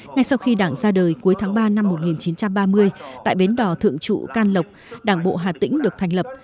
ngay sau khi đảng ra đời cuối tháng ba năm một nghìn chín trăm ba mươi tại bến đỏ thượng trụ can lộc đảng bộ hà tĩnh được thành lập